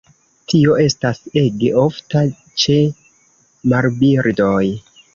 Tio estas ege ofta ĉe marbirdoj.